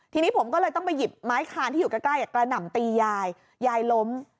ทีนี้ผมก็เลยต้องไปหยิบไม้คานที่อยู่ใกล้กระหน่ำตียายยายล้ม